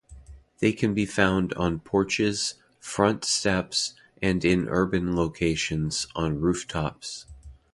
They can be found on porches, front steps, and in urban locations, on rooftops.